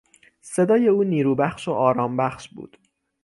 صدای او نیروبخش و آرامبخش بود.